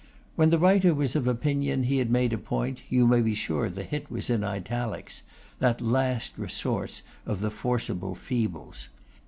When the writer was of opinion he had made a point, you may be sure the hit was in italics, that last resource of the Forcible Feebles.